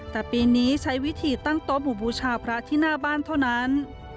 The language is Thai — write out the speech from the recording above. แต่ปีนี้ใช้วิธีตั้งโต๊ะบุบูชาพระที่หน้าบ้านเท่านั้น